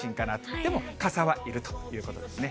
でも傘はいるということですね。